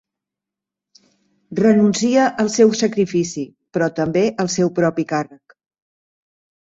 Renuncia al seu sacrifici, però també al seu propi càrrec.